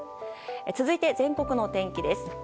続いて全国の天気です。